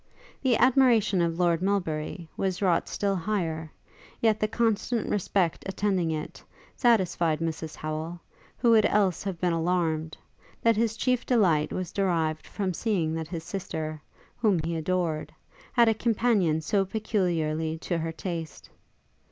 The admiration of Lord Melbury was wrought still higher; yet the constant respect attending it, satisfied Mrs Howel, who would else have been alarmed, that his chief delight was derived from seeing that his sister, whom he adored, had a companion so peculiarly to her taste.